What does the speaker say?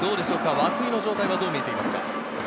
涌井の状態はどう見えていますか？